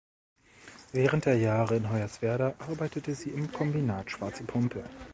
Während der Jahre in Hoyerswerda arbeitete sie im Kombinat Schwarze Pumpe.